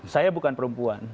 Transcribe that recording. saya bukan perempuan